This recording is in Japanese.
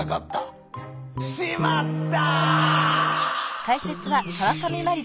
「しまった！」。